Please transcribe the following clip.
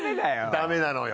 ダメなのよ。